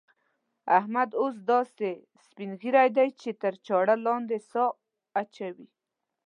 احمد اوس داسې سپين ږيری دی چې تر چاړه لاندې سا اچوي.